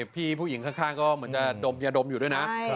พี่ผู้หญิงข้างก็เหมือนจะดมยาดมอยู่ด้วยนะ